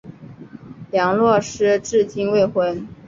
梁洛施至今未婚。